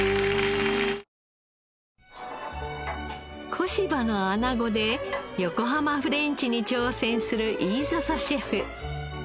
小柴のアナゴで横浜フレンチに挑戦する飯笹シェフ。